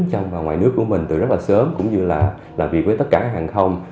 trong và ngoài nước của mình từ rất là sớm cũng như là làm việc với tất cả hàng không